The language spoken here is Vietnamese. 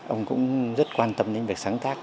ông cũng rất quan tâm đến được sáng tác